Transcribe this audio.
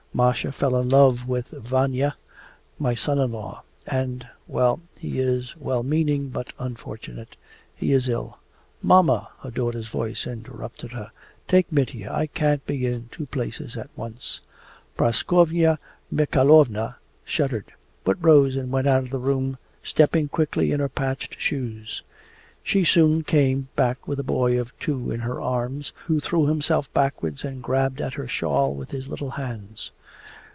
Masha fell in love with Vanya, my son in law. And well, he is well meaning but unfortunate. He is ill.' 'Mamma!' her daughter's voice interrupted her 'Take Mitya! I can't be in two places at once.' Praskovya Mikhaylovna shuddered, but rose and went out of the room, stepping quickly in her patched shoes. She soon came back with a boy of two in her arms, who threw himself backwards and grabbed at her shawl with his little hands.